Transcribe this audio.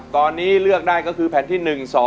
ตอนนี้เลือกได้ก็คือแผ่นที่๑๒